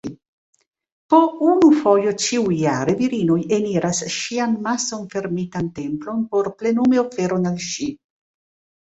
Po unu fojo ĉiujare, virinoj eniras ŝian mason-fermitan templon por plenumi oferon al ŝi.